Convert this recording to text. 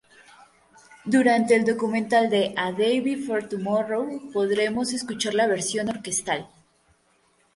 Durante el documental de "A Day Before Tomorrow" podremos escuchar la versión orquestal.